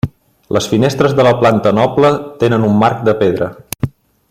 Les finestres de la planta noble tenen un marc de pedra.